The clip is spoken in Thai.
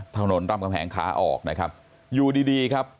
ถนนรำกำแหงขาออกนะครับอยู่ดีดีครับ